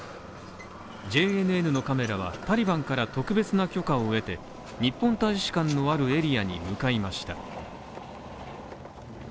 ＪＮＮのカメラは、タリバンから特別な許可を得て、日本大使館のあるエリアに向かいました。